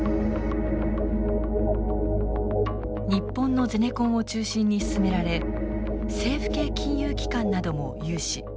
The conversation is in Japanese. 日本のゼネコンを中心に進められ政府系金融機関なども融資。